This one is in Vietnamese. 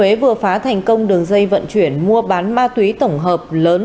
thừa thiên huế vừa phá thành công đường dây vận chuyển mua bán ma túy tổng hợp lớn